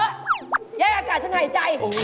อยากให้อากาศฉันหายใจ